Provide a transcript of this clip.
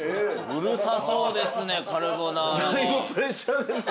うるさそうですねカルボナーラに。